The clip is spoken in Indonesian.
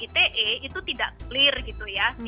ite itu tidak clear gitu ya